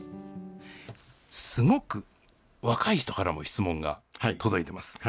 すごく若い人からも質問が届いてます。